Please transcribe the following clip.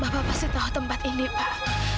bapak pasti tahu tempat ini pak